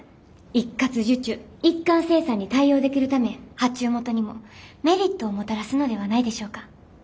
一括受注一貫生産に対応できるため発注元にもメリットをもたらすのではないでしょうか？